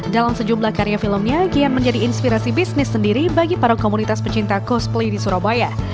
dalam sejumlah karya filmnya kian menjadi inspirasi bisnis sendiri bagi para komunitas pecinta cosplay di surabaya